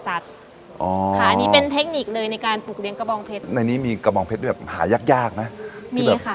อันนี้เป็นเทคนิคเลยในการปลูกเลี้ยกระบองเพชรในนี้มีกระบองเพชรด้วยแบบหายากยากนะมีเลยค่ะ